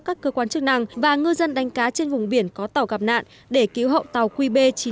các cơ quan chức năng và ngư dân đánh cá trên vùng biển có tàu gặp nạn để cứu hậu tàu qb chín mươi ba nghìn một trăm ba mươi sáu